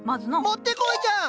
もってこいじゃん！